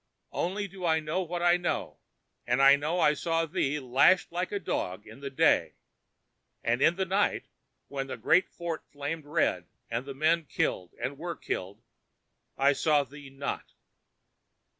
Only do I know what I know, and I know I saw thee lashed like a dog in the day; and in the night, when the great fort flamed red and the men killed and were killed, I saw thee not.